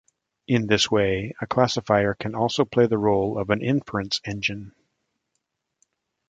In this way a classifier also can play the role of an inference engine.